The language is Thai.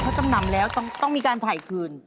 เขาจำนำแล้วต้องมีการถ่ายคืน